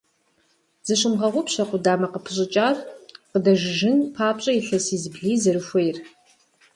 Зыщумыгъэгъупщэ къудамэ къыпыщӀыкӀар къыдэжыжын папщӀэ илъэси зыблый зэрыхуейр.